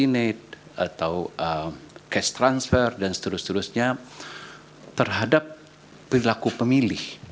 ada yang menyebutnya safety net atau cash transfer dan seterusnya terhadap perilaku pemilih